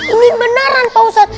ini beneran pak usat